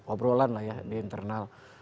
obrolan lah ya di internal